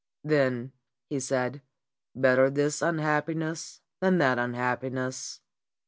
"Then," he said, "better this unhappiness than that happiness."